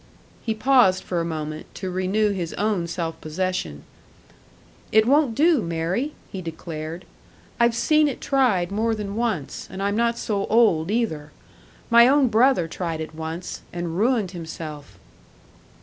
He paused for a moment, to renew his own self possession. "It won't do, Mary," he declared. "I've seen it tried more than once, and I'm not so old either. My own brother tried it once, and ruined himself."